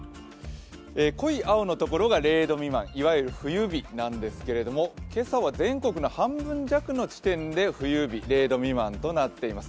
濃い青のところが０度未満、いわゆる冬日なんですけれども、今朝は全国の半分弱の地点で冬日、０度未満となっています。